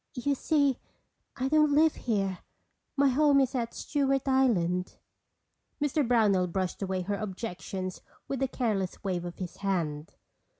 "You see I don't live here. My home is at Stewart Island." Mr Brownell brushed away her objections with a careless wave of his hand.